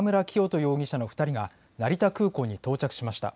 容疑者の２人が成田空港に到着しました。